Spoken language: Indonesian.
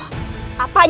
apanya yang kau lakukan